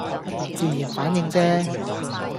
自然反應啫